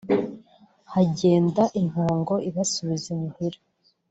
Hagenda impongo ibasubiza imuhira